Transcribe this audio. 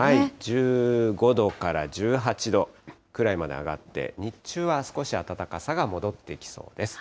１５度から１８度くらいまで上がって、日中は少し暖かさが戻ってきそうです。